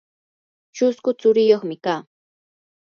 chusku tsuriyuqmi kaa.